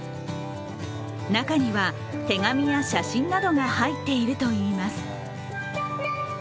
中には手紙や写真などが入っているといいます。